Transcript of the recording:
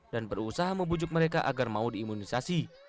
dan berusaha membujuk mereka agar mau diimunisasi